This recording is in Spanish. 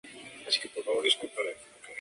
En televisión actuó en la miniserie "¡Robot!